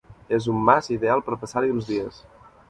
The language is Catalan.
És un mas ideal per passar-hi uns dies.